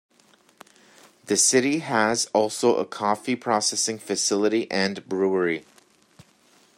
The city has also a coffee processing facility and brewery.